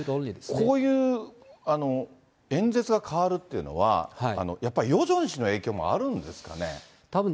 こういう演説が変わるっていうのは、やっぱりヨジョン氏の影たぶん